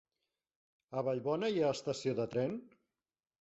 A Vallibona hi ha estació de tren?